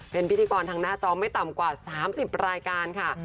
เป็นพิธีกรทางหน้าจอไม่ต่ำกว่า๓๐รายการค่ะ